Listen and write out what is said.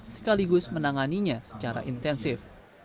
sekaligus menanganinya secara intensif